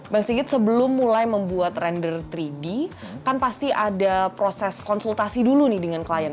bang sigit sebelum mulai membuat rander tiga d kan pasti ada proses konsultasi dulu nih dengan klien